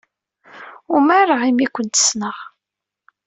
Umareɣ imi ay kent-ssneɣ.